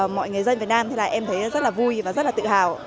mọi người dân việt nam em thấy rất là vui và rất là tự hào